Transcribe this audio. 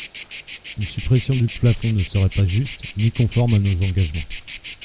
Une suppression du plafond ne serait pas juste ni conforme à nos engagements.